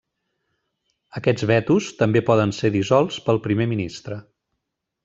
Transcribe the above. Aquests vetos també poden ser dissolts pel Primer Ministre.